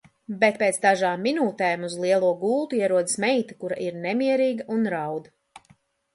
Bet pēc dažām minūtēm uz lielo gultu ierodas meita, kura ir nemierīga un raud.